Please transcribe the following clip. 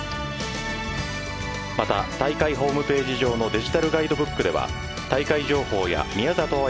また、大会ホームページ上のデジタルガイドブックでは大会情報や宮里藍